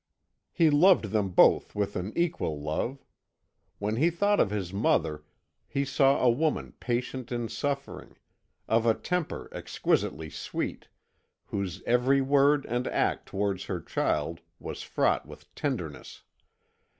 He loved them both with an equal love. When he thought of his mother he saw a woman patient in suffering, of a temper exquisitely sweet, whose every word and act towards her child was fraught with tenderness.